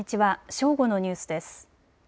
正午のニュースです。